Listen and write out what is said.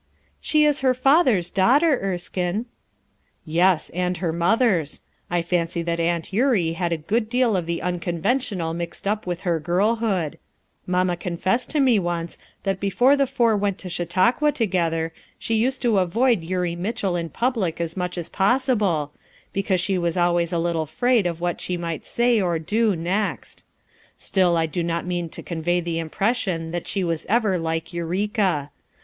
"She is her father's daughter, Erskine." "Yes, and her mother's. I fancy that Aunt Eurie had a good deal of the unconventional mixed up with her girlhood. Mamma confessed to me once that before the four went to Chau tauqua together she used to avoid Eurie Mitchell in public as much as possible, because she was always a little afraid of what she might 18 FOUR MOTHERS AT CHAUTAUQUA say, or do next. Still, I do not mean to convey the impression that she was ever like Eureka.